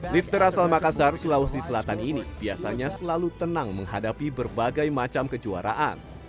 lifter asal makassar sulawesi selatan ini biasanya selalu tenang menghadapi berbagai macam kejuaraan